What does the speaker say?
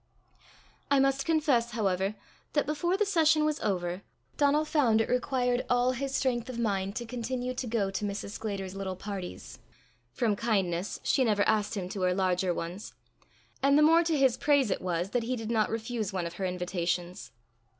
I must confess, however, that before the session was over, Donal found it required all his strength of mind to continue to go to Mrs. Sclater's little parties from kindness she never asked him to her larger ones; and the more to his praise it was that he did not refuse one of her invitations.